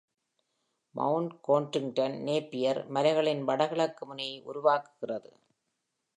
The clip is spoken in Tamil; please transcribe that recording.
மவுண்ட் கோட்ரிங்டன் நேப்பியர் மலைகளின் வடகிழக்கு முனையை உருவாக்குகிறது.